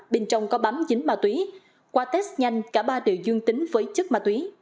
bên trong có bám dính ma túy qua test nhanh cả ba đều dương tính với chất ma túy